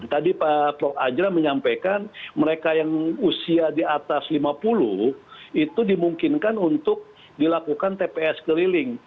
tadi pak prof ajra menyampaikan mereka yang usia di atas lima puluh itu dimungkinkan untuk dilakukan tps keliling